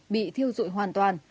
bị thiêu dụi hoàn toàn